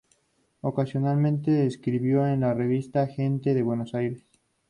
Ocasionalmente escribió en la Revista Gente de Buenos Aires.